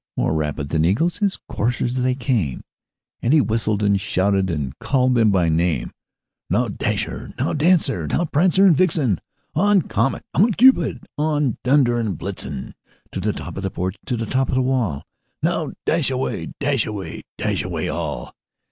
More rapid than eagles his coursers they came, And he whistled, and shouted, and called them by name; "Now, Dasher! now, Dancer! now, Prancer and Vixen! On! Comet, on! Cupid, on! Dunder and Blitzen To the top of the porch, to the top of the wall! Now, dash away, dash away, dash away all!"